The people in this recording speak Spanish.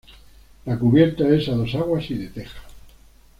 La cubierta es a dos aguas y de teja.